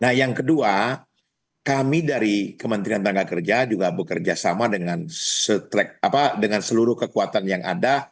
nah yang kedua kami dari kementerian tenaga kerja juga bekerja sama dengan seluruh kekuatan yang ada